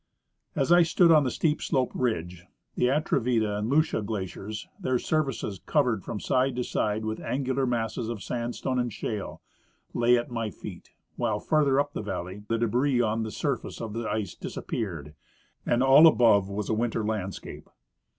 As I stood on the steep sloped ridge, the Atrevida and Lucia gla ciers, their surfaces covered from side to side Avith angular masses, of sandstone and shale, lay at my feet ; Avhile farther up the valley the debris on the surface of the ice disappeared, and all above Avas a Avinter landscape.